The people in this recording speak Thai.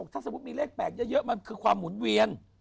ถ้าสมมุติมีเลข๘เยอะมันคือความหมุนเวียน